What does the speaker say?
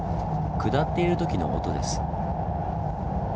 下っている時の音です。